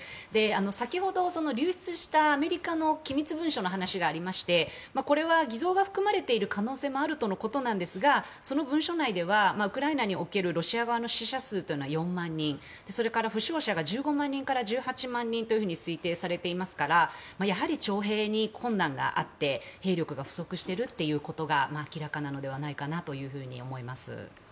先ほど、流出したアメリカの機密文書の話がありましてこれは偽造が含まれている可能性があるとのことですがその文書内ではウクライナにおけるロシア側の死者数は４万人それから負傷者が１５万人から１８万人と推定されていますからやはり徴兵に困難があって兵力が不足しているということが明らかなのではないかなと思います。